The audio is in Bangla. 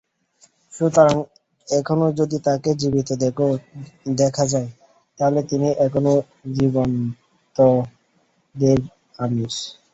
সুতরাং এখনো যদি তাঁকে জীবিত দেখা যায়, তাহলে তিনি এখনো জীবন্মৃতদের আমির।